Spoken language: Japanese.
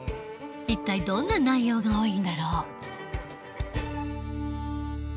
一体どんな内容が多いんだろう。